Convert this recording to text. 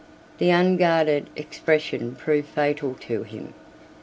61 The unguarded expression proved fatal to him.